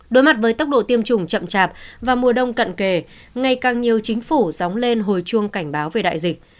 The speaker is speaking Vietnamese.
đối mặt với tốc độ tiêm chủng chậm chạp vào mùa đông cận kề ngày càng nhiều chính phủ dóng lên hồi chuông cảnh báo về đại dịch